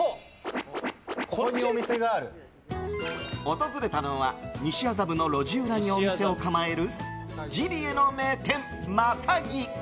訪れたのは西麻布の裏路地にお店を構えるジビエの名店、またぎ。